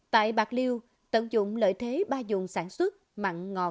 tại bạc liêu tận dụng lợi thế ba dùng sản xuất mặn ngọt và lợ